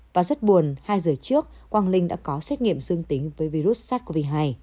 và rất buồn hai giờ trước quang linh đã có xét nghiệm dương tính với virus sars cov hai